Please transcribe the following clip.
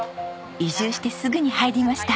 移住してすぐに入りました。